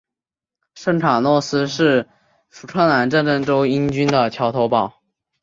圣卡洛斯是福克兰战争中英军的桥头堡。